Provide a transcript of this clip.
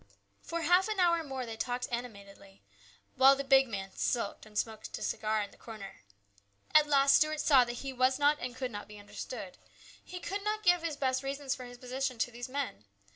For half an hour more they talked animatedly, while the big 108 HIS BROTHER'S KEEPER. man sulked and smoked a cigar in the corner. At last Stuart saw that he was not and could not be understood. He could not give his best reasons for his position to these men.